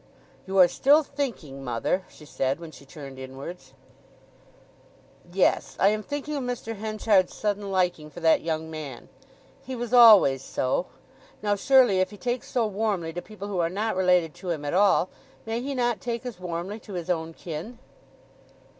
"You are still thinking, mother," she said, when she turned inwards. "Yes; I am thinking of Mr. Henchard's sudden liking for that young man. He was always so. Now, surely, if he takes so warmly to people who are not related to him at all, may he not take as warmly to his own kin?"